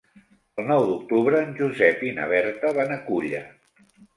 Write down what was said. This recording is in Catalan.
El nou d'octubre en Josep i na Berta van a Culla.